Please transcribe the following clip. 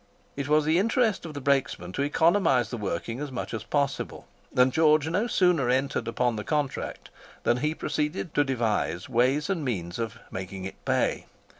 It was the interest of the brakesmen to economise the working as much as possible, and George no sooner entered upon the contract than he proceeded to devise ways and means of making it "pay."